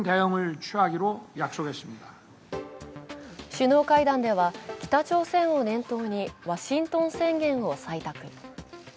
首脳会談では、北朝鮮を念頭にワシントン宣言を採択。